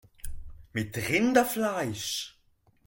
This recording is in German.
Mit Rinderfleisch!